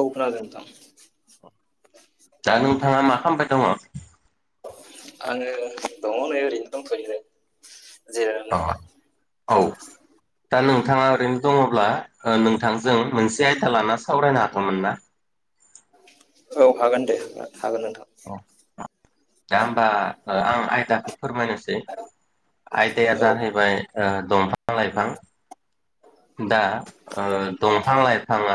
औब्रा नोंथां दा नोंथाङा मा खामबाय दङ' आङो दङ' नै ओरैनो दंथ'यो अ जिरायनानै औ दा नोंथाङा ओरैनो दङ'ब्ला आं नोंथांजों मोनसे आयदा लाना सावरायनो हाथ'मोन ना? औ हागोन दे हागोन नोंथां दा होमबा आं आयदाखौ फोरमायनोसै आयदाया औ जाहैबाय ओ दंफां लाइफां दा ओ दंफां लाइफाङा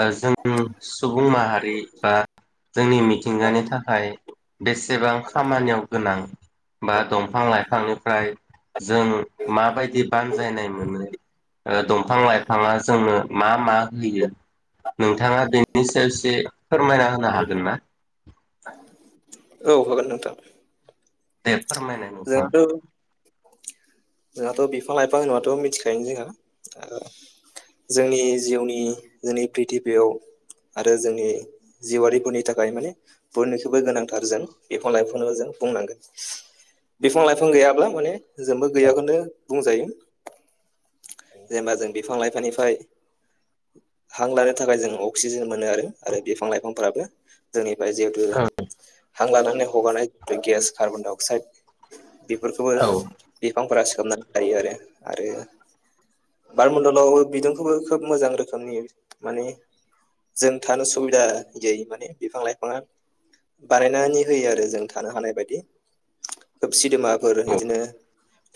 ओ जों सुबुं माहारि बा जोंनि मिथिंगानि थाखाय बेसेबां खामानियाव गोनां बा दंफां लाइफांनिफ्राय जों माबायदि बानजायनाय मोनो ओ दंफां लाइफाङा जोंनो मा मा होयो? नोंथाङा बेनि सेरसे फोरमायना होनो हागोन ना? औ होगोन नोंथां दे फोरमाय जोंहाथ' जोंहाथ' बिफां लाइफां होनाथ' मिथिखायोनो जोंहा जोंनि जिउनि दिनै प्रिथिबियाव आरो जोंनि जिउआरारिफोरनि थाखाय माने बयनिख्रुइबो गोनांथार जों बिफां लाइफां जों बुंनांगोन बिफां लाइफां गैयाब्ला माने जोंबो गैयाखौनो बुंजायो जेनेबा जों बि फां लाइफांनिफ्राय हां लानो थाखाय जों अक्सिजेन मोनो आरो आरो बिफां लाइफांफोराबो जोंनि जिहेतु औ हां लानानै हगारनाय जि गेस कार्बन डाइ अक्साइद बेफोरखौबो औ बिफांफोरा सोबनानै लायो आरो आरो बारमणडलाव बिदुंखौबो खोब मोजां रोखोमनि माने जों थानो सुबिदा जै माने बिफां लाइफाङा बानायनानै होयो आरो जों थानो हानाय बायदि खोब सिदेमाफोर बिदिनो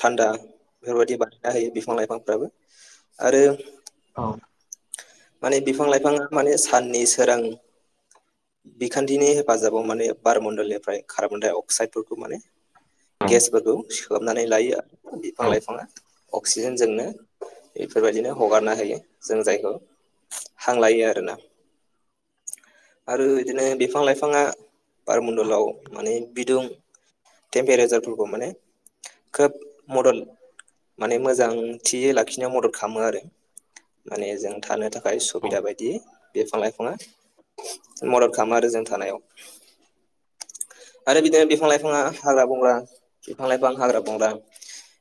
थान्दा बेफोरबायदि बानायना होयो बिफां लाइफांफ्राबो आरो औ माने बिफां लाइफाङा माने साननि सोरां बिखान्थिनि हेफाजाबाव माने बारमणडलनिफ्राय कार्बन दडाइ अक्साइदफोरखौ माने गेसफोरखौ सोबनानै लायो आरो बिफां लाइफाङा अक्सिजेनजोंनो बेफोरबायदिनो हगारना हायो जों जायखौ हांलायो आरोना आरो बिदिनो बिफां लाइफाङा बारमणडलाव माने बिदुं केेम्परेजारफोरखौ माने खोब मदेल माने मोजांथियै लाखिनायाव मदद खालामो आरो माने जों थानो थाखाय सुबिदा औ बायदि बेफां लाइफाङा मदद खालामो आरो जों थानायाव आरो बिदिनो बिफां लाइफाङा हाग्रा बंग्रा बिफां लाइफां हाग्रा बंग्रा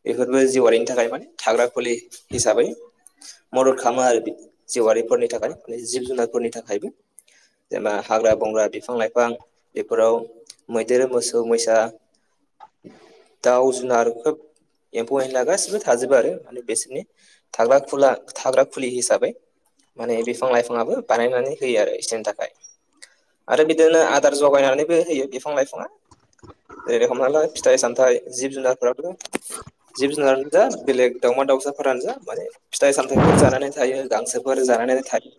बेफोरबो जिउआरिनि थाखाय माने थाग्रा फुलि हिसाबै मदद खालामो आरो बे जिउआारिफोरनि थाखाय माने जिब जुनारफोरनि थाखायबो जेनेबा हाग्रा बंग्रा बिफां लाइफां बेफोराव मैदेर मोसौ मैसा दाउ जुनार खोब एम्फौ एनला गासिबो थाजोबो आरो माने बिसोरनि थाग्रा ख थाग्रा खुलि हिसाबै माने बिफां लाइफांयाबो बानायनानै होयो आरो इसोरनि थाखाय आरो बिदिनो आदार जगायनानैबो होयो बिफां लाइफाङा जेरखम नालाय फिथाइ सामथाय जिब जुनारफोराब' जिब जुनारानो जा बेलेग दावउमा दावउसाफोरानो जा माने फिथाइ सामथायाइफोर जानानै थायो गांसोफोर जा थायो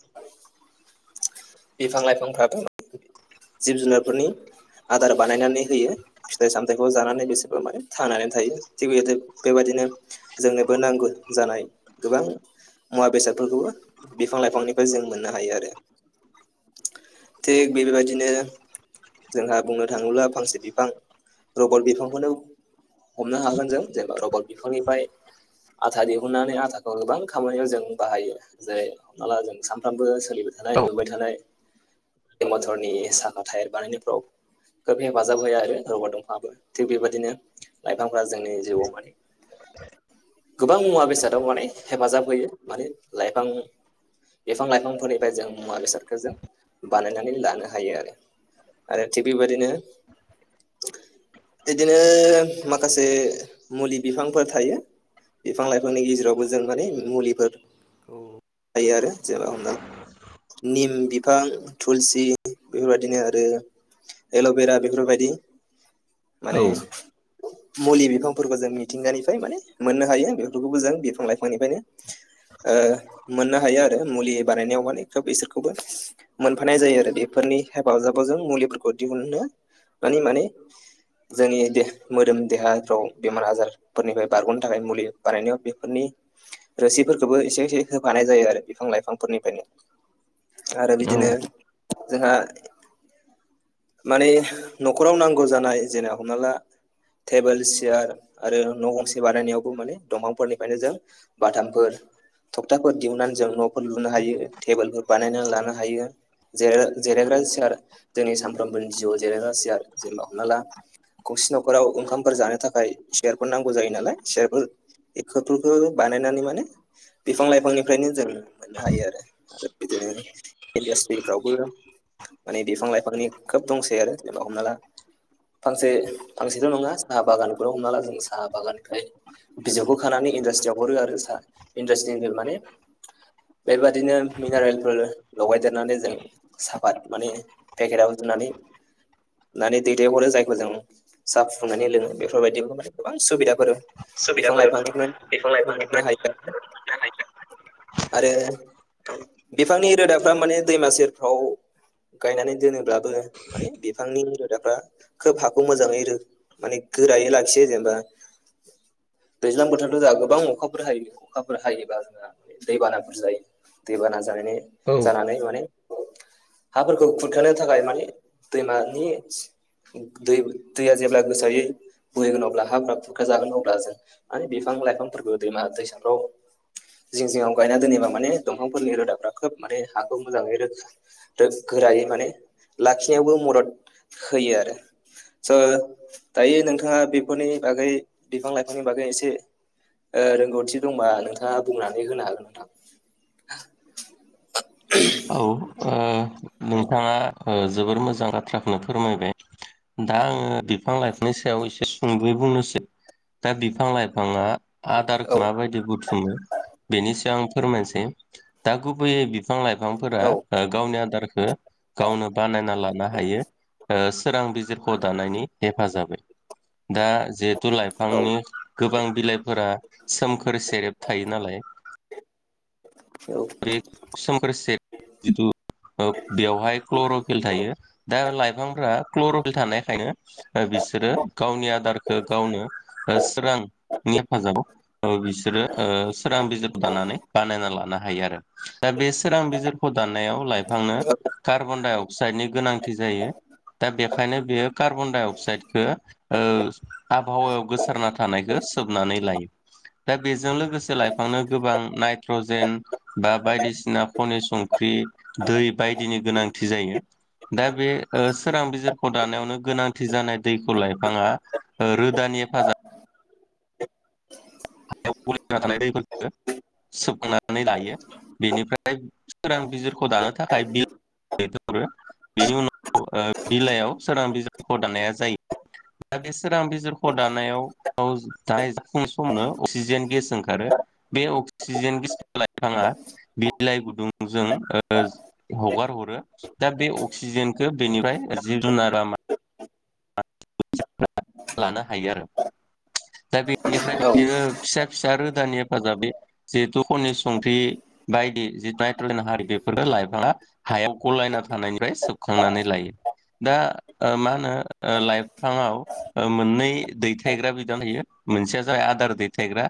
बिफां लाइफांफ्राबो जिब-जुनार फोरनि आदार बानायनानै होयो फिथाइ सामथायाइखौ जानानै बिसोरबा माने थानानै थायो थिग बेदि बेबायदिनो जोंनोबो नांगौ जानाय गोबां मुवा बेसादफोरखौबो बिफां लाइफांनिफ्राय जों मोननो हायो आरो थिग बेफोरबादिनो जोंहा बुंनो थाङोब्ला फांसे बिफां रबट बिफांखौनो हमनो हागोन जों जेनेबा रबद बिफनिफ्राय आथा दिहुननानै आथाखौ गोबां खामानियाव जों बाहायो जे हमना ला जों सानफ्रामबो सोलिबो जानाय लुबाय थानाय मथरनि साखा थायार बानायनायफ्राव खोब हेफाजाब होआ आरो रब' दंफाङआबो थिग बेबायदिनो लाइफांफ्रा जोंनि जिउआव माने गोबां मुवा बेसादाव माने हेफाजाब होयो माने लाइफां बिफां लाइफांफोरनिफ्राय जों मुवा बेसादखौ जों बानायनानै लानो हायो आरो आरो थिफबायादिनो बिदिनो माखासे मुलि बिफांफोर थायो। बिफां लाइफांनि गेजेरावबो जों माने मुलिफोर औ थायो आरो जेनेबा हमना निम बिफां थुलसि बेफोरबायदिनो आरो एल'बेरा बेफोरबायदि औ औ माने मुलि बिफां फोरबो जों मिथिंगानिफ्राय माने मोननो हायो बेफोरखौबो जों बिफां लाइफांनिफ्रायनो ओ मोननो हायो आरो मुलि बानायनायाव माने खोब बिसोरखौबो मोनफानाय जायो आरो बेफोर नि हेफाजाब जों मुलिफोरखौ दिहुननो मानि माने जोंनि देह मोदोम देहाफ्राव बेमार आजारफोरनिफ्राय बारग'नो थाखाय मुलि बानायनायाव बेफोरनि रोसिफोरखौबो एसे एसे होफा नाय जायो आरो बिफां लाइफांफोरनिफ्रायनो आरो औ बिदिनो जोंहा [inaudible] माने न'खराव नांगौ जानाय जेने हमना ला टेबोल सियार आरो न' गंसे बानायनायावबो माने दंफांफोरनिफ्रायनो जों बाथामफोर थखथाफोर दिहुननानै जों न'फोर लुनो हायो टेबोलफोर बानायनानै लानो हायो। जिराय जिरायग्रा सियार जोंनि सामफ्रामबोनि जिउआव जिरायग्रा सियार जेनबा हमना ला गंसे न'खराव ओंखामफोर जानो थाखाय सियारफोर नांगौ जायो नालाय सियारफोरफोरखौ बानायनानै माने बिफां लाइफांनिफ्रायनो जों मोननो हायो आरो आरो बिदिनो इडास्ट्रिफ्रावबो माने बिफां लाइफांनि खोब दंसै आरो जेनेबा हमना ला फांसे- फांसेथ' नङा साहा बागानफोराव हमना ला जों साहा बागाननिफ्राय बिजौखौ खानानै इनडास्ट्रियाव हरो आरो साहा इनडासट्रिफ्राय माने बेबायादिनो मिनारेलफोर लगायदेरनानै जों साफात माने पेकेटव जो नानै-नानै दैथायहरो जायखौ जों साहा फुुंदुंनानै लोङो बेफोरबायदिखौ गोबां सुबिदाफोर सुबिदाफोर बिफां लाइफांनिफ्राय मोननो हायो ओ मोननो हायो। आरो बिफांनि रोदाफ्रा माने दैमा सेरफ्राव गायनानै दोनोब्लाबो माने बिफांनि रोदाफ्रा खोब हाखौ मोजाङै रो माने गोरायै लाखियो जेनबा दैज्लां बोथोरथ' जोंहा गोबां अखाफोर हायो अखाफोर हायोबा जोंहा दैबानाफोर जायो दैबाना जा नै औ औ जानानै माने हाफोरखौ खुरखानो थाखाय माने दैमानि दै-दैया जेब्ला गोसोयै बुहैगोन अब्ला हाफ्रा खुरख्रा जागोन अब्ला जों माने बिफां लाइफांफोरखौ दैमा दैसाफ्राव जिं जिङाव गायना दोनोबा माने दंफांफोरनि रोदाफ्रा खोब माने हाखौ मोजाङै रो रोद गोरायै माने लाखिनायावबो मदद होयो आरो स' दायो नोंथाङा बेफोरनि बागै बिफां लाइफांनि बागै एसे ओ रोंगौथि दंबा नोंथाङा बुंनानै होनो हागोन नोंथां औ ओ नोंथाङा ओ जोबोर मोजां बाथ्राखौनो फोरमायबाय। दा आङो बिफां लाइफांनि सायाव एसे सुंदयै बुंनोसै दा बिफां लाइफाङा औ आदारखो माबायदि बुथुमो बेनि सायाव आं फोरमायसै दा गुबैयै बिफां फां फोरा औ ओ गावनि आदारखो गावनो बानायना लानो हायो ओस सोरां बिजिरखौ दानायनि हेफाजाबै दा जिहेथु औ लाइफांनि गोबां बिलाइफोरा सोमखोर सेरेब थायो नालाय औ बे सोमखोर से जिथु ओ बेवहाय क्लर'फिल थायो दा लाइफांफोरा क्लर'फिल थानायखायनो ओ बि सोरो गावनि आदारखौ गावनो ओ सोरां नि हेफाजाबाव औ बिसोरो ओ सोरां बिजिर दानानै बानायना लाना हायो आरो दा बे सोरां बिजिरख' दानायाव लाइफांनो कार्बन डाइ अक साइडनि गोनांथि जायो दा बेखायनो बेयो कार्बन डाइ अक्साइड खो ओ आबहावायाव गोसारना थानायखो सोबनानै लायो दा बेजों लोगोसे लाइफांनो गोबां नाइट्रजेन बा बायदिसिना खनि संख्रि दै बायदिनि गोनांथि जायो दा बे ओ सोरां बिजिरखौ दानायावनो गोनांथि जानाय दैखौ लाइफाङा ओ रोदा नि हेफाजाब हायाव गलिना थानाय दैफोरखो सोबनानै लायो बेनिफ्राय सोरां बिजिरख' दानो थाखाय बेयो दैथाय हरो बेनि उनाव ओ बिलाइयाव सोरां बिजिरख' दानाया जायो दा बे सोरां बिजिरख' दानायाव औ [unintelligible] जाफुं [unintelligible] अक्सिजेन गेस ओंखारो बे अक्सिजेन गेस लाइफाङा बिलाइ गुदुंजों ओज हगार हरो दा बे अक्सिजेनखो बेनिफाय जिब जुनारा [unintelligible] लानो हायो आरो दा बेनिफ्राय औ बिदिनो फिसा-फिसा रोदानि हेफाजाबै जिहेतु खनि संख्रि बायदि जि [unintelligible] हारि बेफोरो लाइफाङा हायाव गलायना थानायनिफ्राय सेबखांनानै लायो दा ओ मा होनो ओ लाइफाङाव ओ मोननै दैथायग्रा बिदाम होयो मोनसेया जाबाय आदार दैथायग्रा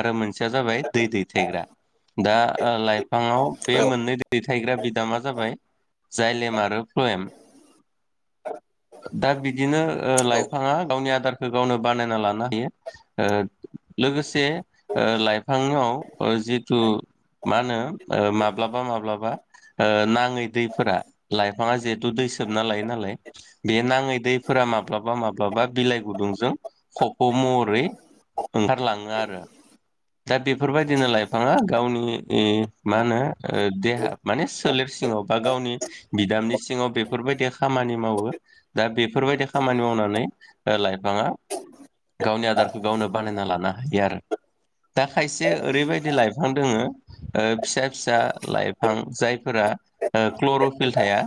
आरो मोनसेया जाबाय दै दैथायग्रा दा लाइफाङाव बे औ मोननै दैथायग्रा बिदामा जाबाय जायलेम आरो फ्लयेम दा बि बिदिनो लाइफाङा गावनि आदार गावनो बानायना लानो हायो लोगोसे लाइफाङाव जिथु मा होनो माब्लाबा माब्लाबा नाङै दैफोरा लाइफाङा जिहेथु दै सोबना लायो नालाय बे नाङै दै फोरा माब्लाबा माब्लाबा बिलाइ गुदुंजों खफ' महरै ओंखारलाङो आरो दा बेफोरबायदिनो लाइफाङा गावनि मा होनो देहा माने सोलेर सिङाव बा गावनि बिदामनि सिङाव बेफोरबायदि खामानि मावो दा बे बेफोरबायदि खामानि मावनानै लाइफाङा गावनि आदारखौ गावनो बानायना लानो हायो आरो दा खायसे ओरैबायदि लाइफां दोङो फिसा फिसा लाइफां जायफोरा क्लर'फिल थाया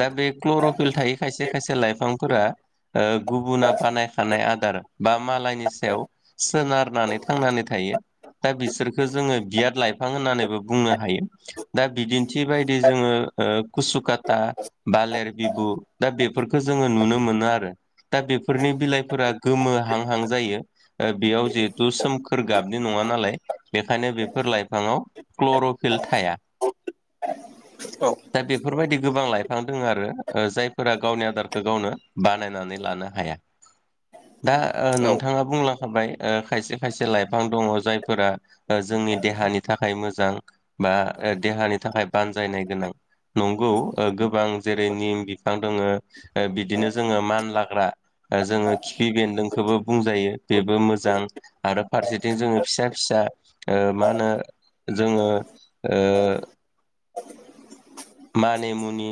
दा बे क्लर'फिल थायि खायसे खायसे लाइफांफोरा गुबुना बानायखानाय आदार बा मालायनि सायाव सोनारनानै थांनानै थायो। दा बिसोरखो जोङो बियाद लाइफां होननानैबो बुंनो हायो दा बिदिन्थि बायदि जोङो कुसुकाता बालेर बिबु दा बेफोरखौ जोङो नुनो मोनो आरो दा बेफोरनि बिलाइफोरा गोमो हां हां जायो बेयाव जिहेथु सोमखोर गाबनि नङा नङा नालाय बेनिखायनो बेफोर लाइफाङाव क्लर'फिल थाया। [inaudible] औ दा बेफोरबायदि गोबां लाइफां दङ आरो जायफोरा गावनि आदार गावनो बानायनानै लानो हाया। दा नोंथाङा बुंलांखाबाय खायसे खायसे लाइफां दङ जायफोरा जों जोंनि देहानि थाखाय मोजां बा देहानि थाखाय बानजायनाय गोनां। नंगौ गोबां जेरै निम बिफां दङ बिदिनो जोङो मानलाग्रा जोङो खिफि बेन्दोंखौबो बुंजायो बेबो मोजां जां नोंथां आरो फारसेथिं जोङो फिसा फिसा ओ मा होनो जोङो ओ मानि मुनि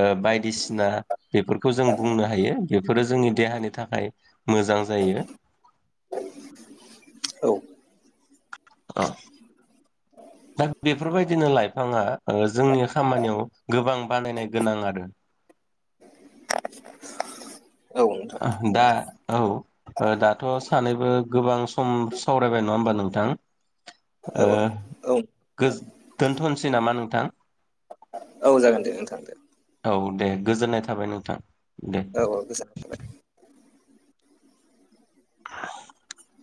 ओ बायदिसिना बेफोरखौ जों बुंनो हायो बेफोरो जोंनि देहानि थाखाय मोजां जायो। [inaudible] अ दा बेफोरबायदिनो लाइफाङा ओ जोंनि खामानियाव गोबां बानायनाय गोनां आरो। औ नोंथां दा औ दाथ' सानैबो गोबां सम सावरायबाय नङा होमबा नों थां औ ओ औ गोज-दोनथ'सै नामा नोंथां? औ जागोन दे नोंथां दे। औ दे गोजोननाय थाबाय नोंथां दे। औ गोजानाय थाबाय। [inaudible]